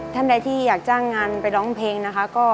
ท่านใดที่อยากจ้างงานไปร้องเพลงนะคะ